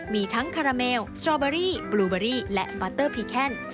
มีทั้งคาราเมลสตอเบอรี่บลูเบอรี่และบาเตอร์พีแคน